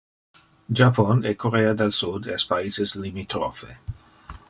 Japon e Corea del Sud es paises limitrophe.